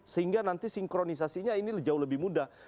sehingga nanti sinkronisasinya ini jauh lebih mudah